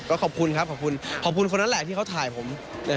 ก็ขอบคุณครับขอบคุณคนนั้นแหละที่เขาถ่ายผมนะฮะ